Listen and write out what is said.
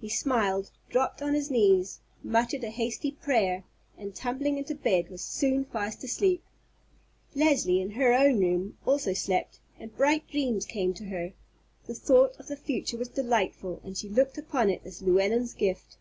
He smiled, dropped on his knees, muttered a hasty prayer, and, tumbling into bed, was soon fast asleep. Leslie in her own room also slept, and bright dreams came to her. The thought of the future was delightful, and she looked upon it as Llewellyn's gift.